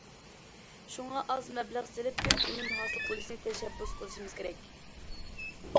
شۇڭا ئاز مەبلەغ سېلىپ، كۆپ ئۈنۈم ھاسىل قىلىشنى تەشەببۇس قىلىشىمىز كېرەك.